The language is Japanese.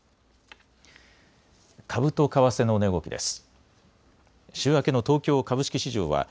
株と為替の値動きです。